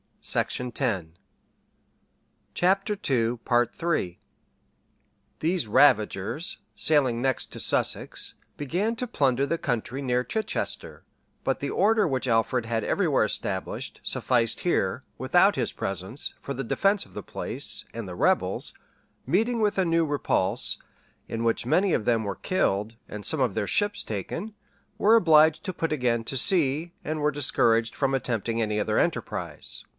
92.] [ Chron. Sax. p. 93.] These ravagers, sailing next to Sussex, began to plunder the country near Chichester; but the order which Alfred had everywhere established, sufficed here, without his presence, for the defence of the place, and the rebels, meeting with a new repulse, in which many of them were killed, and some of their ships taken,[*] were obliged to put again to sea, and were discouraged from attempting any other enterprise.